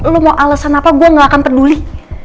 lu mau alasan apa gue gak akan peduli